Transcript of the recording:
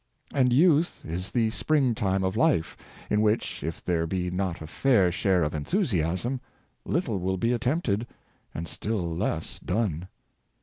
And youth is the spring time of life, in which, if there be not a fair share of enthusiasm, little will be attempted, and still less done.